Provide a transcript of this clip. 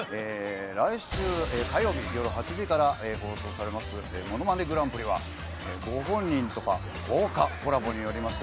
来週火曜日夜８時から放送されます、ものまねグランプリは、ご本人とか、豪華コラボによります